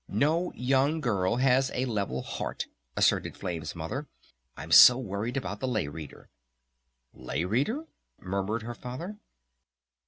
"No young girl has a level heart," asserted Flame's Mother. "I'm so worried about the Lay Reader." "Lay Reader?" murmured her Father.